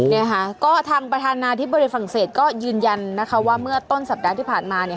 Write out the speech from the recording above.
เนี่ยค่ะก็ทางประธานาธิบดีฝรั่งเศสก็ยืนยันนะคะว่าเมื่อต้นสัปดาห์ที่ผ่านมาเนี่ย